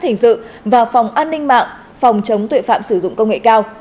hình sự và phòng an ninh mạng phòng chống tội phạm sử dụng công nghệ cao